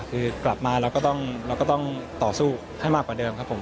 คือกลับมาเราก็ต้องต่อสู้ให้มากกว่าเดิมครับผม